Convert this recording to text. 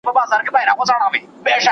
ماشوم د ونې په ډډ کې د مرغۍ ځاله ولیده.